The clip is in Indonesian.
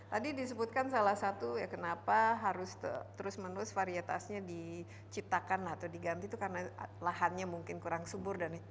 tadi disebutkan salah satu ya kenapa harus terus menerus varietasnya diciptakan atau diganti itu karena lahannya mungkin kurang subur